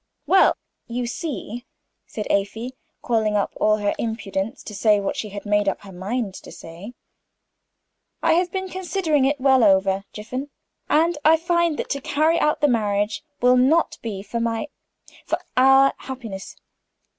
"Well you see," said Afy, calling up all her impudence to say what she had made up her mind to say, "I have been considering it well over, Jiffin, and I find that to carry out the marriage will not be for my for our happiness.